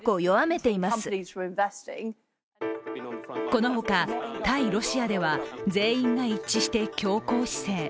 この他、対ロシアでは全員が一致して強硬姿勢。